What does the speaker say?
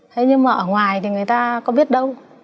thế nhưng mà ở ngoài thì người ta có biết đâu